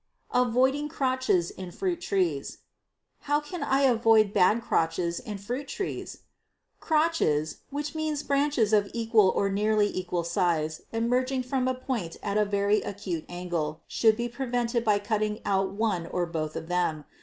Avoiding Crotches in Fruit Trees. How can I avoid bad crotches in fruit trees? Crotches, which means branches of equal or nearly equal size, emerging from a point at a very acute angle, should be prevented by cutting out one or both of them.